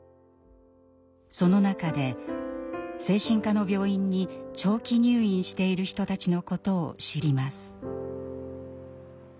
その中で精神科の病院に長期入院している人たちのことを知ります。